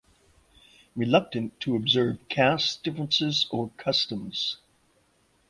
Reluctant to observe caste differences or customs.